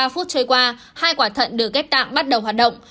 hai mươi ba phút trôi qua hai quả thận được ghép tạng bắt đầu hoạt động